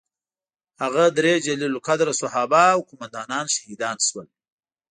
هغه درې جلیل القدره صحابه او قوماندانان شهیدان شول.